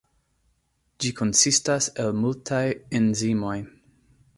Ĝi konsistas el multaj enzimoj.